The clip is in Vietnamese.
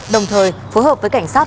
đồng thời phối hợp với cảnh sát